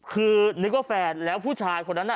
คือนึกว่าแฟนแล้วผู้ชายคนนั้นน่ะ